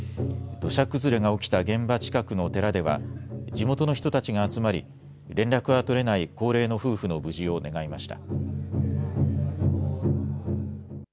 土砂崩れが起きた現場近くの寺では地元の人たちが集まり連絡が取れない高齢の夫婦の無事を願いました。